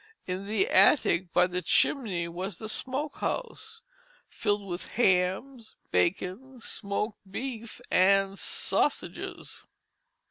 In the attic by the chimney was the smoke house, filled with hams, bacon, smoked beef, and sausages.